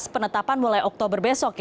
penetapan mulai oktober besok